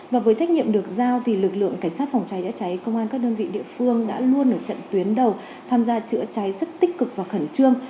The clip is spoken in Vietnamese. và với trách nhiệm được giao thì lực lượng cảnh sát phòng cháy chữa cháy công an các đơn vị địa phương đã luôn ở trận tuyến đầu tham gia chữa cháy rất tích cực và khẩn trương